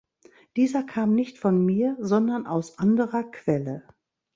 Dieser kam nicht von mir, sondern aus anderer Quelle.